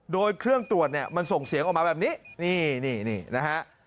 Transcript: โดยเครื่องตรวจเนี่ยมันส่งเสียงออกมาแบบนี้นี่นะฮะ